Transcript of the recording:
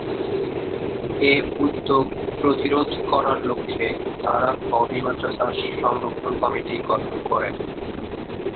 এ উদ্যোগ প্রতিরোধ করার লক্ষ্যে তারা ‘কওমি মাদ্রাসা সংরক্ষণ কমিটি’ গঠন করেন।